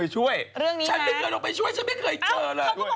อีแหวงเธอเลวจะไม่เคยเลย